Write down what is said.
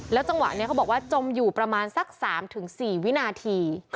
จังหวะนี้เขาบอกว่าจมอยู่ประมาณสัก๓๔วินาที